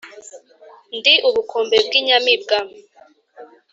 ndi ubukombe bw’ inyamibwa,